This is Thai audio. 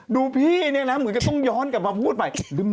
พี่เนี่ยนะเหมือนกับต้องย้อนกลับมาพูดใหม่